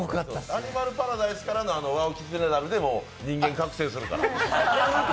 アニマルパラダイスからのワオキツネザルで人間完成するから。